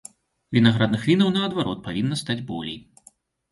Вінаградных вінаў наадварот павінна стаць болей.